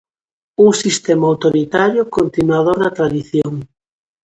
Un sistema autoritario, continuador da tradición.